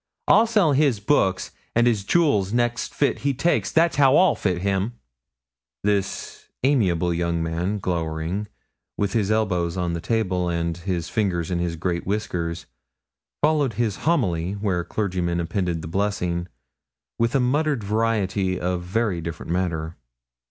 I'll sell his books and his jewels next fit he takes that's how I'll fit him.' This amiable young man, glowering, with his elbows on the table and his fingers in his great whiskers, followed his homily, where clergymen append the blessing, with a muttered variety of very different matter.